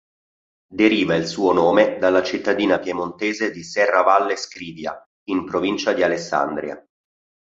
Deriva il suo nome dalla cittadina piemontese di Serravalle Scrivia in provincia di Alessandria.